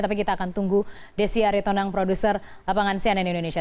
tapi kita akan tunggu desi aritonang produser lapangan cnn indonesia